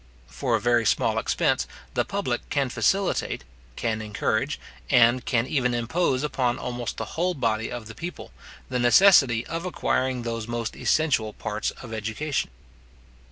For a very small expense, the public can facilitate, can encourage and can even impose upon almost the whole body of the people, the necessity of acquiring those most essential parts of education.